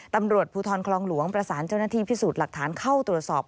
ตำรวจภูทรคลองหลวงประสานเจ้าหน้าที่พิสูจน์หลักฐานเข้าตรวจสอบ